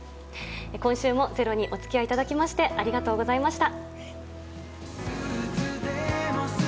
今週も「ｚｅｒｏ」にお付き合いいただきましてありがとうございました。